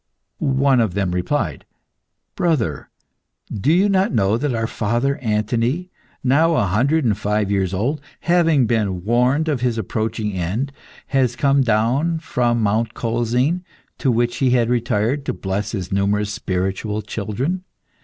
One of them replied "Brother, do you not know that our father, Anthony, now a hundred and five years old, having been warned of his approaching end, has come down from Mount Colzin, to which he had retired, to bless his numerous spiritual children?